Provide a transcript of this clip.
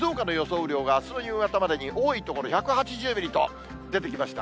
雨量があすの夕方までに多い所１８０ミリと出てきました。